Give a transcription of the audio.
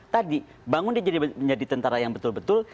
tadi bangun dia menjadi tentara yang betul betul